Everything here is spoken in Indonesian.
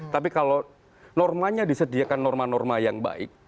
tapi kalau normanya disediakan norma norma yang baik